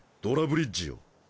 ドラブリッジよ